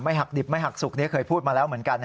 ไม่หักดิบไม่หักสุกเคยพูดมาแล้วเหมือนกัน